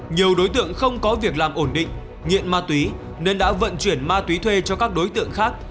nhiều đối tượng không có việc làm ổn định nghiện ma túy nên đã vận chuyển ma túy thuê cho các đối tượng khác